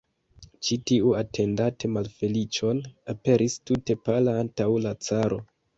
Ĉi tiu, atendante malfeliĉon, aperis tute pala antaŭ la caro.